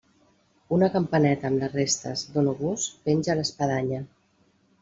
Una campaneta amb les restes d'un obús penja a l'espadanya.